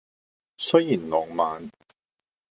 雖然浪漫